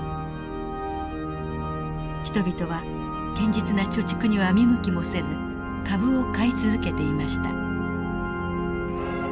人々は堅実な貯蓄には見向きもせず株を買い続けていました。